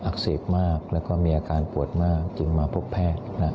อักเสบมากแล้วก็มีอาการปวดมากจึงมาพบแพทย์